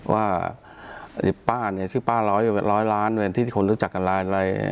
ว่าป้านี่ชื่อป้าร้อยร้อยล้านเหมือนที่คนรู้จักกับหลาย